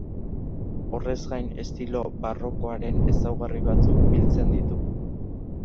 Horrez gain, estilo barrokoaren ezaugarri batzuk biltzen ditu.